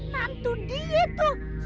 nantu dia tuh